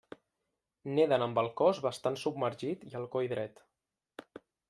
Neden amb el cos bastant submergit i el coll dret.